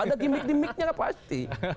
ada gimmick gimmicknya pasti